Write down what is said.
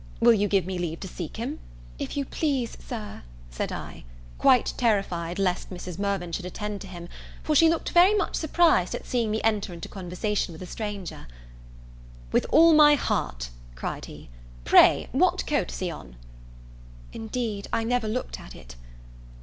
Will you give me leave to seek him?" "If you please, Sir," answered I; quite terrified lest Mrs. Mirvan should attend to him; for she looked very much surprised at seeing me enter into conversation with a stranger. "With all my heart," cried he; "pray, what coat has he on?" "Indeed I never looked at it."